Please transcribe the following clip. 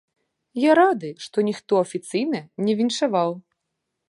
Я рады, што ніхто афіцыйна не віншаваў.